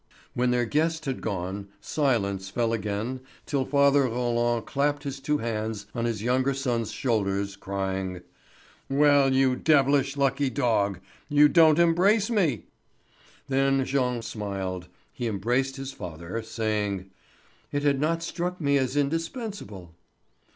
When their guest had gone, silence fell again till father Roland clapped his two hands on his younger son's shoulders, crying: "Well, you devilish lucky dog! You don't embrace me!" Then Jean smiled. He embraced his father, saying: "It had not struck me as indispensable."